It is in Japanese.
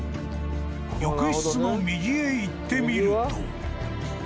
［浴室の右へ行ってみると］